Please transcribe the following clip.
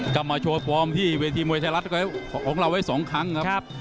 กลับมาโชว์ฟอร์มที่เวทีมวยไทยรัฐของเราไว้๒ครั้งครับ